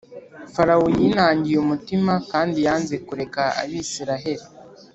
Farawo yinangiye umutima kandi yanze kureka abisiraheli